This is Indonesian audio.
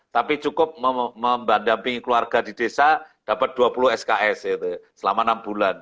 tapi cukup membandampingi keluarga di desa dapat dua puluh sks selama enam bulan